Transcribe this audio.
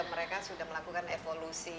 mereka sudah melakukan evolusi